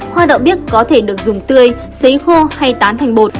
hoa đậu bích có thể được dùng tươi xấy khô hay tán thành bột